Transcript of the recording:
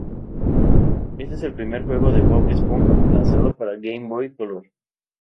Éste es el primer juego de Bob Esponja lanzado para Game Boy Color.